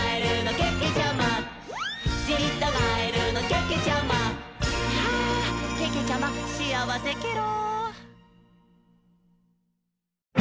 けけちゃま、しあわせケロ！」